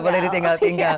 gak boleh ditinggal tinggal